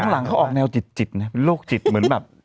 หลังเขาออกแนวจิตนะเป็นโรคจิตเหมือนแบบ